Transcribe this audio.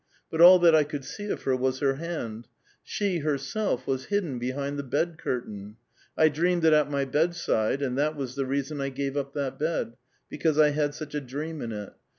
but all that I could see of her was her hand ; she, herself, was hidden behind the bed curtain ; I dreamed that at my bed side, and that was the reason I gave up that bed ; because I had such a dream in it.